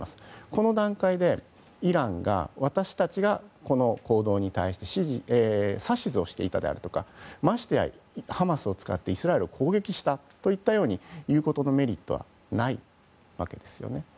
この段階でイランが私たちがこの行動に対して指図をしていたであるとかましてやハマスを使ってイスラエルを攻撃したと言うことのメリットはないわけですよね。